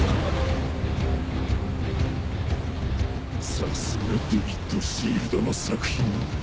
さすがデヴィット・シールドの作品。